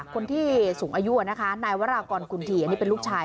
คนที่สูงอายุนะคะนายวรากรกุณฑีอันนี้เป็นลูกชาย